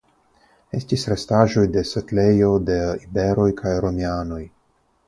Estis restaĵoj de setlejo de iberoj kaj romianoj.